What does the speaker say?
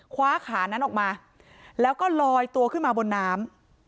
คว้าขานั้นออกมาแล้วก็ลอยตัวขึ้นมาบนน้ำ